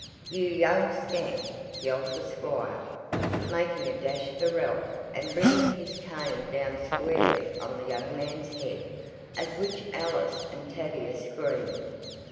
"You young scamp!" yelled the squire, making a dash for Ralph and bringing his cane down squarely on the young man's head, at which Alice and Tavia screamed.